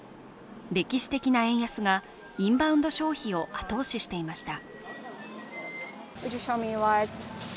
歴史的な円安がインバウンド消費を後押ししていました。